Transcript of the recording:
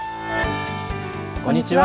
こんにちは。